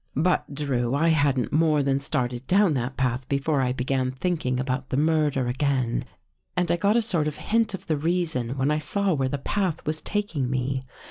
" But, Drew, I hadn't more than started down that path before I began thinking about the murder again and I got a sort of hint of the reason when I saw where the path was taking me.